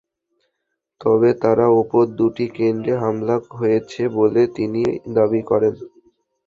তবে তাঁর ওপর দুটি কেন্দ্রে হামলা হয়েছে বলে তিনি দাবি করেন।